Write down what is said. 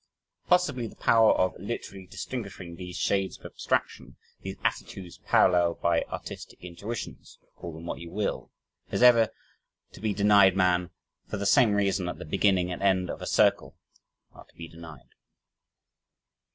Possibly the power of literally distinguishing these "shades of abstraction" these attributes paralleled by "artistic intuitions" (call them what you will) is ever to be denied man for the same reason that the beginning and end of a circle are to be denied.